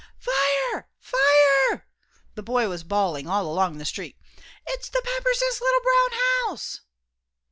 "Fire! Fire!" the boy was bawling all along the street. "It's the Pepperses little brown house."